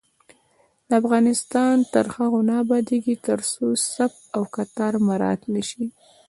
افغانستان تر هغو نه ابادیږي، ترڅو صف او کتار مراعت نشي.